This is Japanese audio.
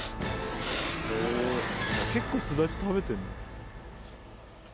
結構すだち食べてるね。